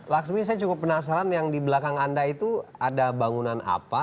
laksmi saya cukup penasaran yang di belakang anda itu ada bangunan apa